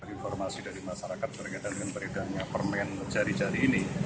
informasi dari masyarakat berkaitan dengan beredarnya permen jari jari ini